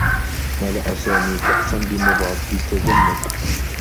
ملأ سامي كأسا بمضاد التّجمّد.